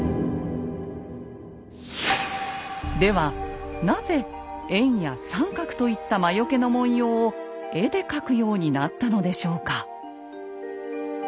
ではなぜ円や三角といった魔よけの文様を絵で描くようになったのでしょうか？